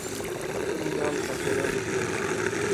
তিনি ইমাম শাফেয়ী নামে বেশি পরিচিত ।